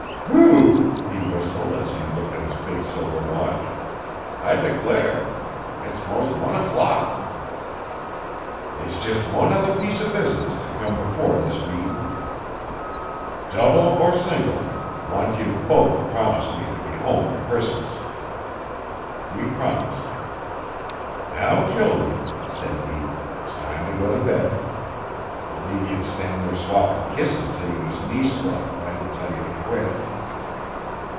'Whew!' he whistled as he looked at his big silver watch. 'I declare it's mos' one o'clock They's jes' one other piece o' business to come before this meetin'. Double or single, want ye to both promise me t'be hum Crissmus. We promised. 'Now childern,' said he. ''S time to go to bed. B'lieve ye'd stan' there swappin' kisses 'till ye was kner sprung if I didn't tell ye t' quit.